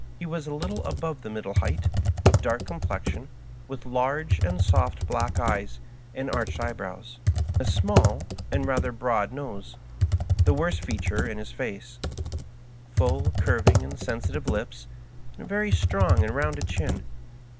He was a little above the middle height, of dark complex ion, with large and soft black eyes and arched eyebrows, a small and rather broad nose (the worst feature in his face), full, curviug and sensitive lips, and a very strong and rounded chin.